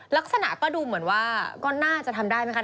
ลักษณะก็ดูเหมือนว่าก็น่าจะทำได้ไหมคะ